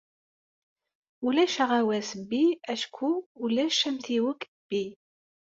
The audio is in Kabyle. Ulac Aɣawas B acku ulac amtiweg B.